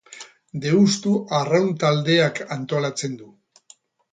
Deustu Arraun Taldeak antolatzen du.